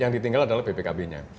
yang ditinggal adalah bpkb nya